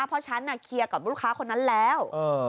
เพราะฉันเคลียร์กับลูกค้าคนนั้นแล้ว